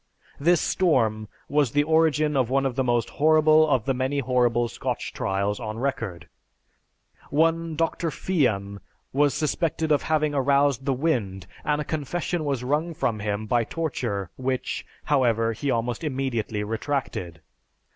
This storm was the origin of one of the most horrible of the many horrible Scotch trials on record. One Dr. Fian was suspected of having aroused the wind and a confession was wrung from him by torture which, however, he almost immediately retracted.